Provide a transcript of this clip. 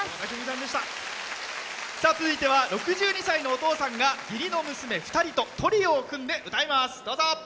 続いては６２歳のお父さんが義理の娘２人とトリオを組んで歌います。